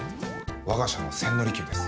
我が社の千利休です。